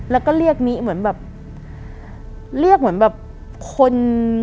แล้วก็เรียกนิเหมือนแบบเรียกเหมือนแบบคน